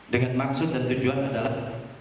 dengan maksud dan tujuan adalah